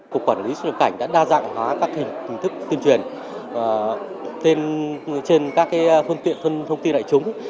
cục quản lý xuất nhập cảnh đã đa dạng hóa các hình thức tuyên truyền trên các phương tiện thông tin đại chúng